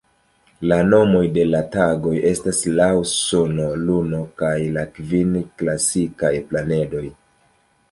La nomoj de la tagoj estas laŭ suno, luno kaj la kvin klasikaj planedoj.